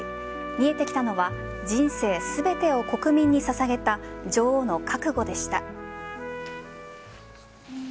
見えてきたのは人生全てを国民に捧げた女王の覚悟でした。